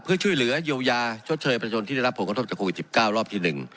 เพื่อช่วยเหลือเยียวยาชดเชยประชนที่ได้รับผลกระทบจากโควิด๑๙รอบที่๑